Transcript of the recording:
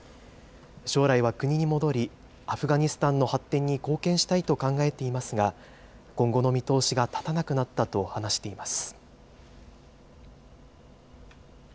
将来は国に戻り、アフガニスタンの発展に貢献したいと考えていますが、今後の見通しが立たなくなったと話しています。